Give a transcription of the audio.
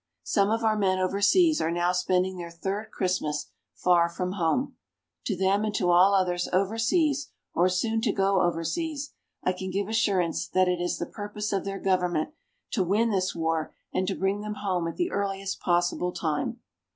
Some of our men overseas are now spending their third Christmas far from home. To them and to all others overseas or soon to go overseas, I can give assurance that it is the purpose of their government to win this war and to bring them home at the earliest possible time.